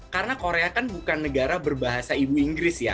karena korea kan bukan negara berbahasa ibu inggris ya